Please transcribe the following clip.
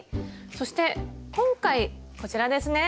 そして今回こちらですね！